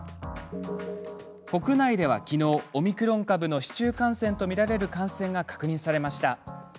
国内では、きのうオミクロン株の市中感染と見られる感染が確認されました。